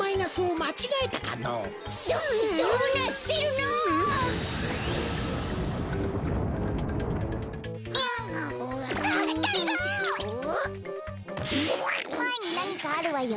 まえになにかあるわよ。